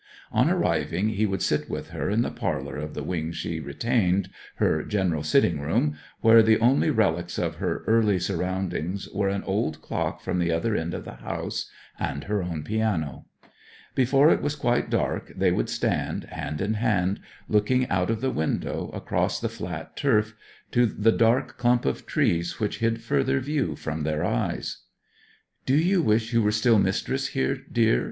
On arriving, he would sit with her in the 'parlour' of the wing she retained, her general sitting room, where the only relics of her early surroundings were an old clock from the other end of the house, and her own piano. Before it was quite dark they would stand, hand in hand, looking out of the window across the flat turf to the dark clump of trees which hid further view from their eyes. 'Do you wish you were still mistress here, dear?'